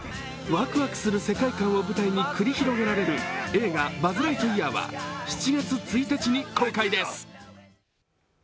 ワクワクする世界観を舞台に繰り広げられる映画、映画「バズ・ライトイヤー」は７月１日に公開です。